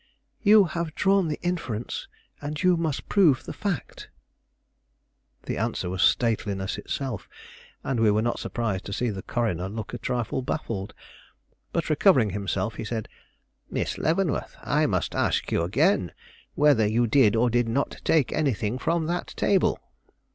"You have drawn the inference, and you must prove the fact." The answer was stateliness itself, and we were not surprised to see the coroner look a trifle baffled; but, recovering himself, he said: "Miss Leavenworth, I must ask you again, whether you did or did not take anything from that table?"